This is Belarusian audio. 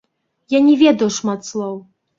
Я не ведаю шмат слоў.